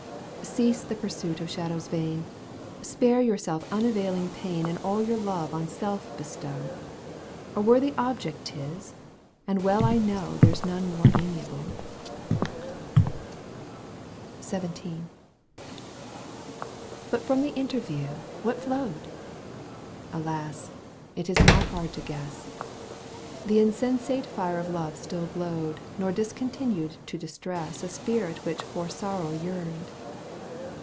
Cease the pursuit of shadows vaii^, Spare yourself imavafling pain And all your love on self bestow ; A worthy object 'tis, and weU I know there's none more amiable. Digitized by CjOOQ IC сдвто TV. EUGENE ONltoUINE. 109 XVIL But from the interview what flowed ? Alas I It is not hard to guess. The insensate fire of love still glowed Nor discontinued to distress A spirit which for sorrow yearned.